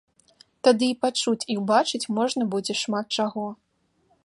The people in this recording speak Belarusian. Тады і пачуць і ўбачыць можна будзе шмат чаго.